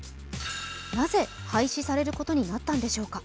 なぜ廃止されることになったのでしょうか。